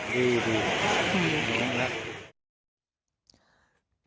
ดีดีดีมากแล้ว